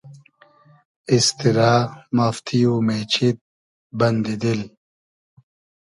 ایستیرۂ , مافتی و مېچید بئندی دیل